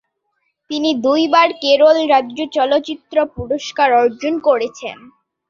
তিনি দুইবার কেরল রাজ্য চলচ্চিত্র পুরস্কার অর্জন করেছেন।